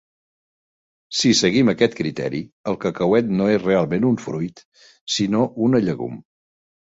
Si seguim aquest criteri, el cacauet no és realment un fruit, sinó una llegum.